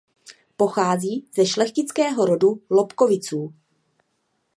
Pochází ze šlechtického rodu Lobkoviců.